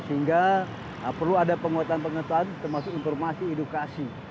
sehingga perlu ada penguatan pengetahuan termasuk informasi edukasi